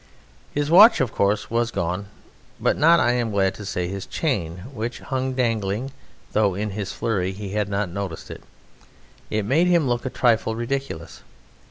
His watch, of course, was gone, but not, I am glad to say, his chain, which hung dangling, though in his flurry he had not noticed it. It made him look a trifle ridiculous.